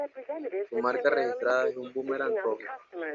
Su marca registrada es un boomerang rojo.